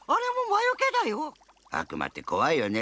あくまってこわいよね。